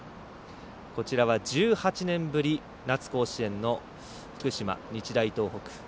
こちらは１８年ぶり夏甲子園の福島、日大東北。